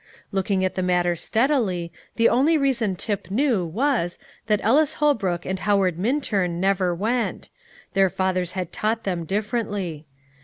Looking at the matter steadily, the only reason Tip knew was, that Ellis Holbrook and Howard Minturn never went; their fathers had taught them differently.